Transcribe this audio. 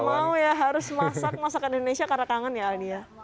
iya karena mau nggak mau ya harus masak masakan indonesia karena kangen ya alia